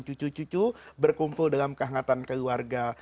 cucu cucu berkumpul dalam kehangatan keluarga